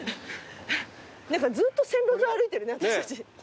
何かずっと線路沿い歩いてるね私たち。